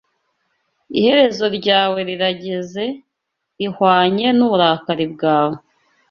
Iherezo ryawe rirageze, rihwanye n’uburakari bwawe